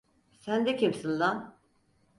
Sen de kimsin lan?